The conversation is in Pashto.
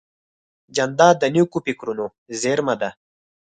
جانداد د نیکو فکرونو زېرمه ده.